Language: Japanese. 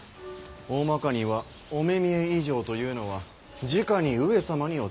おおまかには御目見以上というのはじかに上様にお仕えする者たち